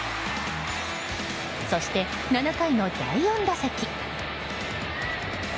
そして、７回の第４打席。